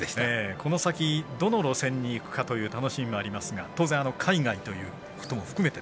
この先どの路線に行くかという楽しみもありますが当然、海外ということも含めて。